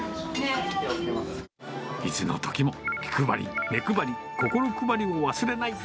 いつのときも気配り、目配り、心配りを忘れない。